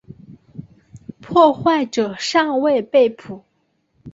破坏者尚未被捕。